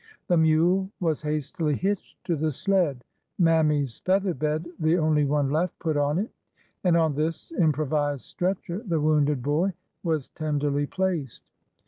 The mule was hastily hitched to the sled. Mammy's feather bed (the only one left) put on it, and on this improvised stretcher the wounded boy was tenderly placed.